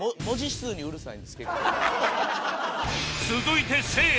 続いてせいや